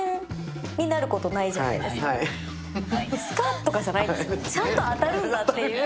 スカッとかっていうんじゃないんだ、ちゃんと当たるんだっていう。